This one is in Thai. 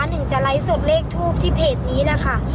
หนึ่งจะไลฟ์สดเลขทูปที่เพจนี้นะคะ